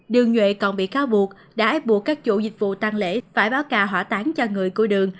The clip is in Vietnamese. đường nhuệ còn bị cáo buộc đã ép buộc các chủ dịch vụ tăng lễ phải báo cà hỏa tán cho người cô đường